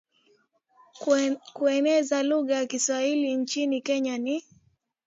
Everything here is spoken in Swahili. kueneza lugha ya Kiswahili nchini Kenya ni